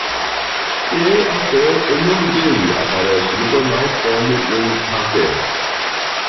E até o nome dele aparece no jornal como um hacker.